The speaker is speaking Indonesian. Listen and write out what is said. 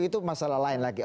itu masalah lain lagi